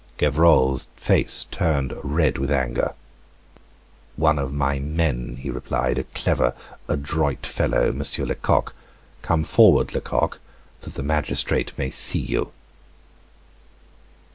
Gevrol's face turned red with anger. "One of my men," he replied, "a clever, adroit fellow, Monsieur Lecoq. Come forward, Lecoq, that the magistrate may see you."